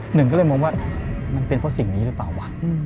หนึ่งก็เลยมองว่ามันเป็นเพราะสิ่งนี้หรือเปล่าวะ